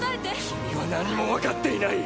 君は何も分かっていない！